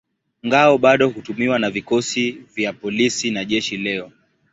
Ngao bado hutumiwa na vikosi vya polisi na jeshi leo.